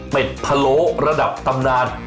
เป็ดพะโลเหล่าระดับตำนาน